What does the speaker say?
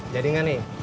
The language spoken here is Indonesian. jadi nggak nih